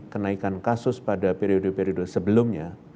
kenaikan kasus pada periode periode sebelumnya